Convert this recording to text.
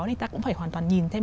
thì ta cũng phải hoàn toàn nhìn thêm